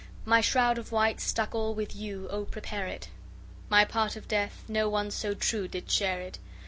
My shroud of white stuck all with yew, O prepare it! My part of death no one so true did share it.